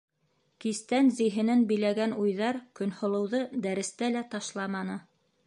Кистән зиһенен биләгән уйҙары Көнһылыуҙы дәрестә лә ташламаны.